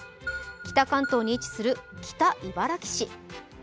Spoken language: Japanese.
北関東に位置する北茨城市。